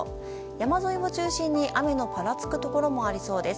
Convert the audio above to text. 山沿いを中心に、雨のぱらつくところもありそうです。